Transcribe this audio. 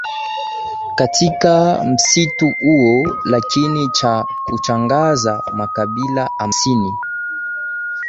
katika msitu huo lakini cha kushangaza makabila hamsini